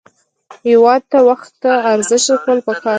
هېواد ته وخت ته ارزښت ورکول پکار دي